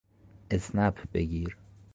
اسنپ بگیر